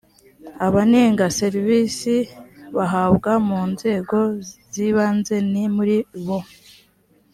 abanenga serivisi bahabwa mu nzego z ibanze ni muri bo